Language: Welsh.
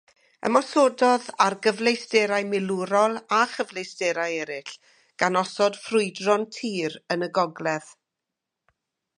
Ymosododd ar gyfleusterau milwrol a chyfleusterau eraill gan osod ffrwydron tir yn y gogledd.